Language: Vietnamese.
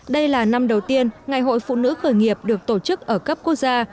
đây là năm đầu tiên ngày hội phụ nữ khởi nghiệp được tổ chức ở cấp quốc gia